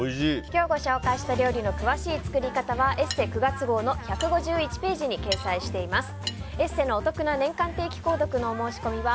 今日ご紹介した料理の詳しい作り方は「ＥＳＳＥ」９月号の１５１ページに掲載しています。